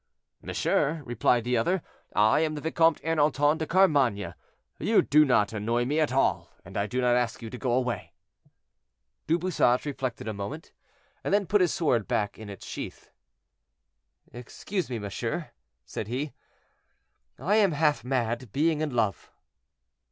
"Monsieur," replied the other, "I am the Vicomte Ernanton de Carmainges. You do not annoy me at all, and I do not ask you to go away." Du Bouchage reflected a moment, and then put his sword back in its sheath. "Excuse me, monsieur," said he; "I am half mad, being in love."